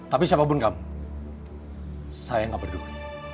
tapi siapapun kamu saya gak peduli